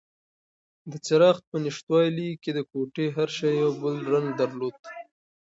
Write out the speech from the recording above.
د څراغ په نشتوالي کې د کوټې هر شی یو بل رنګ درلود.